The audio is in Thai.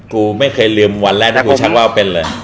กูไม่เคยลืมวันแรกที่กูชักว่าเป็นเลย